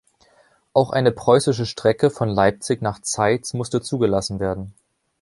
Auch eine preußische Strecke von Leipzig nach Zeitz musste zugelassen werden.